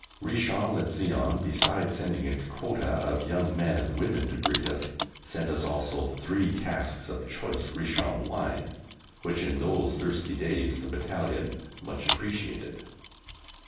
Richon le Zion, besides sending its quota of young men and women to greet us, sent us also three casks of choice Richon wine, which in those thirsty days the battalion much appreciated.